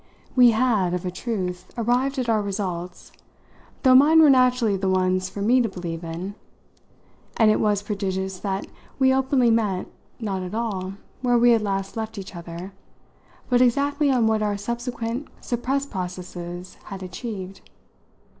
We had, of a truth, arrived at our results though mine were naturally the ones for me to believe in; and it was prodigious that we openly met not at all where we had last left each other, but exactly on what our subsequent suppressed processes had achieved.